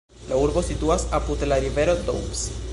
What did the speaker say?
La urbo situas apud la rivero Doubs.